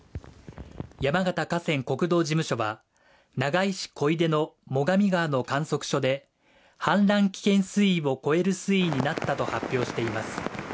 山形河川国道事務所は長井市小出の最上川の観測所で氾濫危険水位を超える水位になったと発表しています